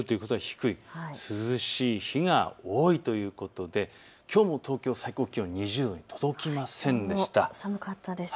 涼しい日が多いということできょうの東京、最高気温２０度に届きませんでした。